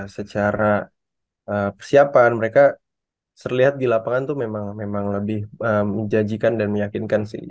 secara persiapan mereka terlihat di lapangan tuh memang memang lebih menjajikan dan meyakinkan sih